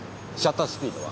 シャッタースピードは？